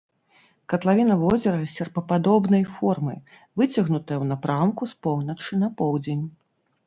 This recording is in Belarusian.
Катлавіна возера серпападобнай формы, выцягнутая ў напрамку з поўначы на поўдзень.